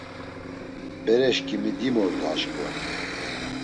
Bereşkimi dimordu aşǩva.